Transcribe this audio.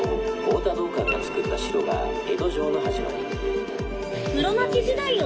太田道灌がつくった城が江戸城の始まり。